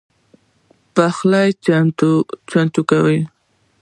پخلی چمتو کړئ